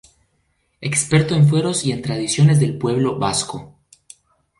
Experto en fueros y en tradiciones del pueblo vasco.